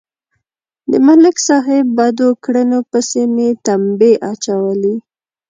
د ملک صاحب بدو کړنو پسې مې تمبې اچولې.